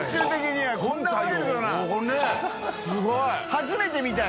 初めて見たよ。